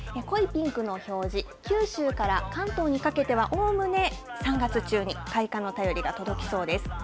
濃いピンクの表示、九州から関東にかけては、おおむね３月中に開花の便りが届きそうです。